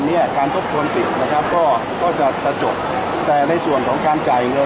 และมีอีกสองฝนพอจะใต้สิบล้านคนเนี่ย